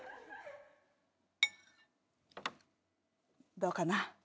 どうかな？